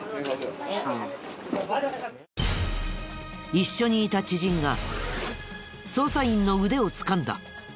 一緒にいた知人が捜査員の腕をつかんだ。